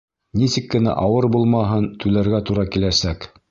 Нисек кенә ауыр булмаһын, түләргә тура киләсәк.